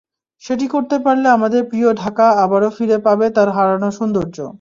সেটি করতে পারলে আমাদের প্রিয় ঢাকা আবারও ফিরে পাবে তার হারানো সৌন্দর্য।